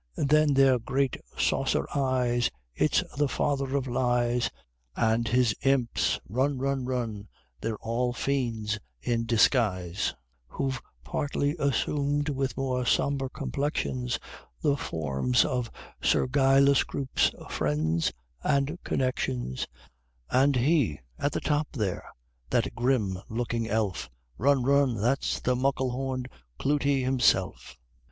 _ Then their great saucer eyes It's the Father of lies And his Imps run! run! run! they're all fiends in disguise, Who've partly assumed, with more sombre complexions, The forms of Sir Guy Le Scroope's friends and connections, And He at the top there that grim looking elf Run! run! that's the "muckle horned Clootie" himself!